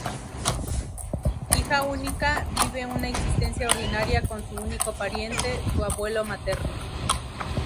Hija única, vive una existencia ordinaria con su único pariente, su abuelo materno.